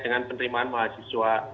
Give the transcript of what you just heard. dengan penerimaan mahasiswa